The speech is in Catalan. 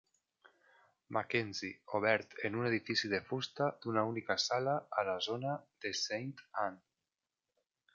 MacKenzie, obert en un edifici de fusta d'una única sala a la zona de Saint Ann.